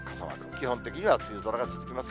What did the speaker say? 基本的には梅雨空が続きます。